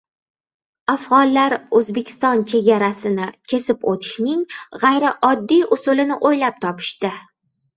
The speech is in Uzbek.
Afg‘onlar O‘zbekiston chegarasini kesib o‘tishning g‘ayrioddiy usulini o‘ylab topishdi